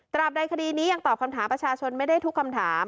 ใดคดีนี้ยังตอบคำถามประชาชนไม่ได้ทุกคำถาม